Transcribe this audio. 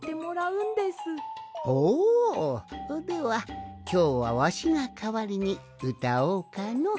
ほではきょうはわしがかわりにうたおうかの。